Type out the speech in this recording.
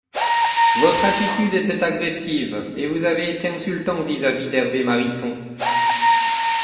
Votre attitude était agressive et vous avez été insultant vis-à-vis d’Hervé Mariton.